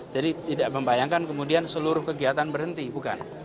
jadi tidak membayangkan kemudian seluruh kegiatan berhenti bukan